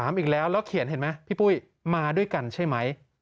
อีกแล้วแล้วเขียนเห็นไหมพี่ปุ้ยมาด้วยกันใช่ไหม